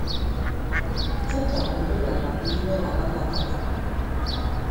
dịka Omenala bụ ihe ala nabatàrà